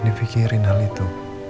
dipikirin hal itu